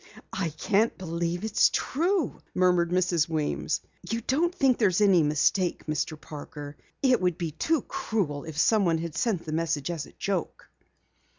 "I can't believe it's true," murmured Mrs. Weems. "You don't think there's any mistake, Mr. Parker? It would be too cruel if someone had sent the message as a joke."